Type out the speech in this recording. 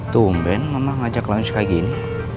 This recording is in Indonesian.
tumben mama ngajak lounge kayak gini